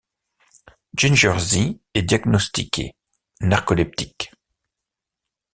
Ginger Zee est diagnostiquée, narcoleptique.